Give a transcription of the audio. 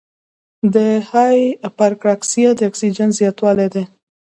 د هایپراکسیا د اکسیجن زیاتوالی دی.